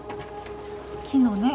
木のね。